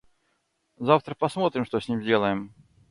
Завтра посмотрим, что с ним сделаем.